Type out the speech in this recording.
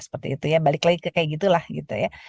seperti itu ya balik lagi ke kayak gitu lah gitu ya